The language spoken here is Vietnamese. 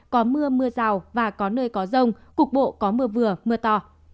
có mưa mưa rào và có nơi có rông cục bộ có mưa vừa mưa to